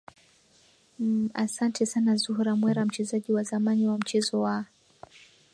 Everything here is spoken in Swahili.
m asante sana zuhra mwera mchezaji wa zamani wa mchezo wa